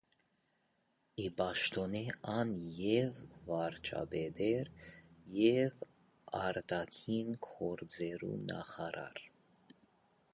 Ի պաշտօնէ ան ե՛ւ վարչապետ էր, ե՛ւ արտաքին գործերու նախարար։